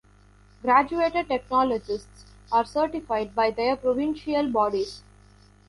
Graduated technologists are certified by their provincial bodies.